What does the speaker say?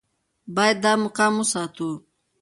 باید دا مقام وساتو.